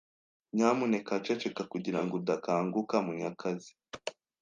Nyamuneka ceceka kugirango udakanguka Munyakazi.